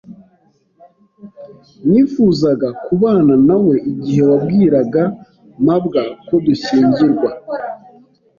Nifuzaga kubana nawe igihe wabwiraga mabwa ko dushyingirwa.